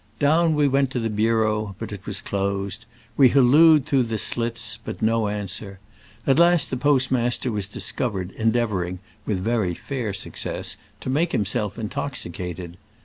Down we went to the bureau, but it was closed : we hallooed through the slits, but no answer. At last the postmaster was discovered endeavoring (with very fair success) to make himself intoxi cated.